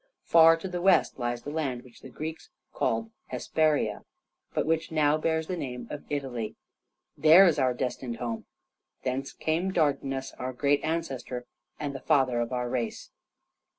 Far to the west lies the land which the Greeks called Hesperia, but which now bears the name of Italy. There is our destined home; thence came Dardanus, our great ancestor and the father of our race."